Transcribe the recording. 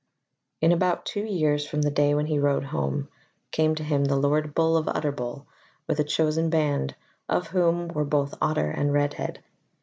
In about two years from the day when he rode home, came to him the Lord Bull of Utterbol with a chosen band, of whom were both Otter and Redhead.